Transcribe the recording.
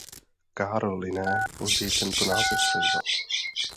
Carl Linné později tento název převzal.